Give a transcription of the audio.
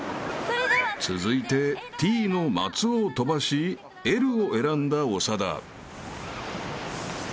［続いてＴの松尾を飛ばしＬを選んだ長田］